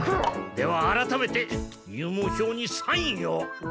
ではあらためて入門票にサインを。